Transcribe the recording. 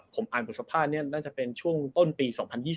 ผมอ่านบทสัมภาษณ์นี้น่าจะเป็นช่วงต้นปี๒๐๒๐